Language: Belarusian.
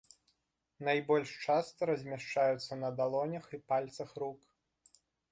Найбольш часта размяшчаюцца на далонях і пальцах рук.